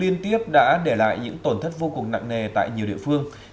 liên tiếp đã để lại những tổn thất vô cùng nặng nề tại nhiều địa phương